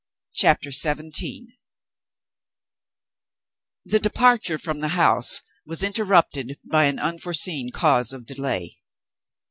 CHAPTER XVII The departure from the house was interrupted by an unforeseen cause of delay.